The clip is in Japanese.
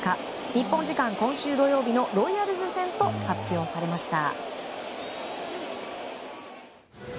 日本時間、今週土曜日のロイヤルズ戦と発表されました。